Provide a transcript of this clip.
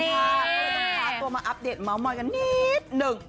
เอาตัวค้าตัวมาอัปเดตมาวันกันนิดหนึ่ง